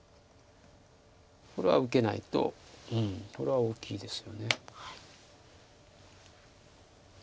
これは受けないとこれは大きいですよね。